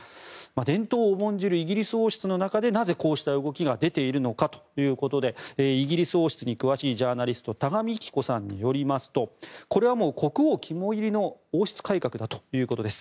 伝統を重んじるイギリス王室の中でなぜ、こうした動きが出ているのかということでイギリス王室に詳しいジャーナリスト多賀幹子さんによりますとこれは国王肝煎りの王室改革だということです。